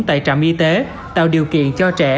tại trạm y tế tạo điều kiện cho trẻ